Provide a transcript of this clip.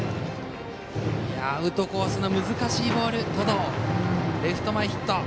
アウトコースの難しいボールを登藤レフト前ヒット。